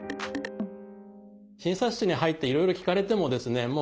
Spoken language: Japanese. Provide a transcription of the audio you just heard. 診察室に入っていろいろ聞かれてもですね